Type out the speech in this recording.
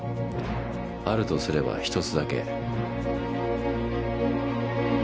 あるとすれば１つだけ。